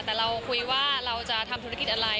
แต่เราคุยว่าเราจะทำธุรกิจอะไร